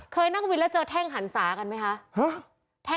เคยนั่งวินแล้วเจอแท่งหันศากันไหมคะ